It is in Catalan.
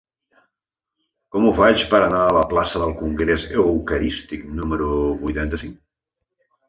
Com ho faig per anar a la plaça del Congrés Eucarístic número vuitanta-cinc?